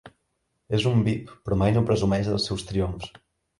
És un vip però mai no presumeix dels seus triomfs.